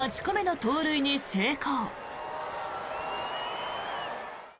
８個目の盗塁に成功。